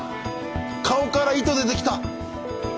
顔から糸出てきた。